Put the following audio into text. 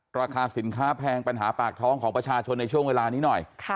ราคาสินค้าแพงปัญหาปากท้องของประชาชนในช่วงเวลานี้หน่อย